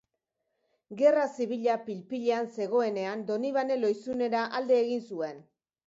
Gerra Zibila pil pilean zegoenean, Donibane Lohizunera alde egin zuen.